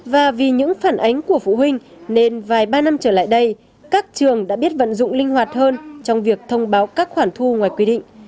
và vì những phản ánh của phụ huynh nên vài ba năm trở lại đây các trường đã biết vận dụng linh hoạt hơn trong việc thông báo các khoản thu ngoài quy định